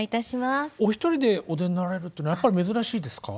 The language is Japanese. お一人でお出になられるっていうのはやっぱり珍しいですか？